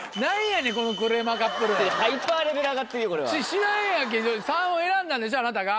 知らんやん３を選んだんでしょあなたが。